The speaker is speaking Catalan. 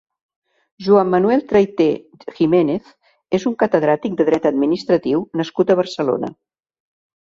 Joan Manuel Trayter Jiménez és un catedràtic de dret administratiu nascut a Barcelona.